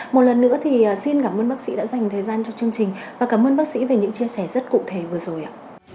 một lần nữa thì xin cảm ơn bác sĩ đã dành thời gian cho chương trình và cảm ơn bác sĩ về những chia sẻ rất cụ thể vừa rồi ạ